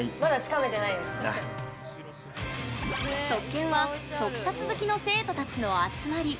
特研は特撮好きの生徒たちの集まり。